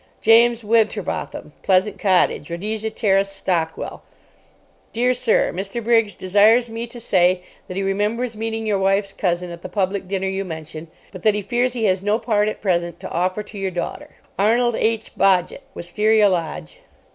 'James Winterbotham, Pleasant Cottage, Rhodesia Terrace, Stockwell. Dear Sir: Mr. Briggs desires me to say that he remembers meeting your wife's cousin at the public dinner you mention, but that he fears he has no part at present to offer to your daughter.' 'Arnold H. Bodgett, Wistaria Lodge....